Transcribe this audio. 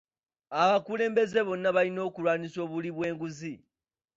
Abakulembeze bonna balina okulwanisa obuli bw'enguzi,